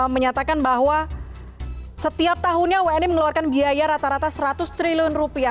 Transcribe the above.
menyatakan bahwa setiap tahunnya wni mengeluarkan biaya rata rata seratus triliun rupiah